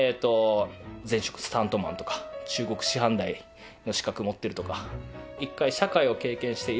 前職スタントマンとか中国師範代の資格持ってるとか。